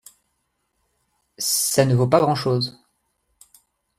Ça ne vaut pas grand-chose.